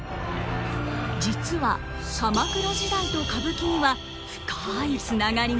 実は鎌倉時代と歌舞伎には深いつながりが。